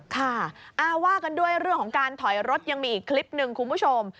ค่ะว่ากันด้วยเรื่องของการถอยรถยังมีอีกคลิปหนึ่งคุณผู้ชม